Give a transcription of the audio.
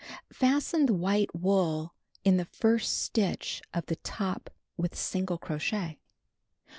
Fasten the white wool in the first stitch of the top with single crochet.